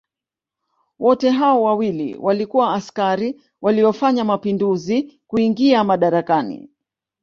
Wote hao wawili walikuwa askari waliofanya mapinduzi kuingia madarakani